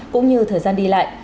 từ thời gian đi lại